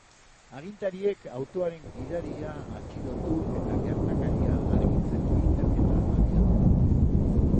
Agintariek autoaren gidaria atxilotu eta gertakaria argitzeko ikerketa abiatu dute.